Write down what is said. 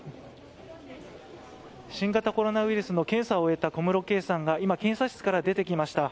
新型コロナウイルスの検査を終えた小室圭さんが今、検査室から出てきました。